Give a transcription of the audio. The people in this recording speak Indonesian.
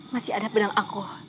masih ada benang aku